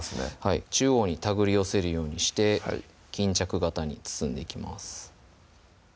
中央に手繰り寄せるようにして巾着形に包んでいきます